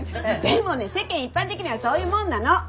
でもね世間一般的にはそういうもんなの！